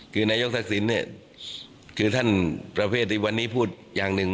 คือนายกทักษิณเนี่ยคือท่านประเภทที่วันนี้พูดอย่างหนึ่ง